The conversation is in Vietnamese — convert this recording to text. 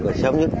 rồi sớm nhất